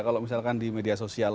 kalau misalkan di media sosial